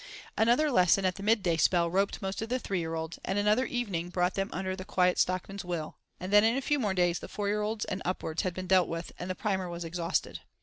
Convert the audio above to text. Another lesson at the midday spell roped most of the three year olds, and another evening brought them under the Quiet Stockman's will, and then in a few more days the four year olds and upwards had been dealt with, and the Primer was exhausted.